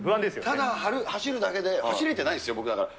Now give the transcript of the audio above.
ただ走るだけで、走れてないですよ、僕だから。